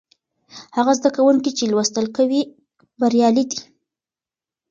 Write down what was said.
هغه زده کوونکي چې لوستل کوي بریالي دي.